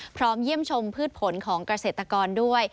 เยี่ยมชมพืชผลของเกษตรกรด้วย